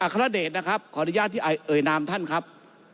คารเดชนะครับขออนุญาตที่เอ่ยนามท่านครับ